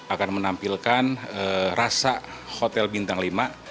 akan menampilkan rasa hotel bintang lima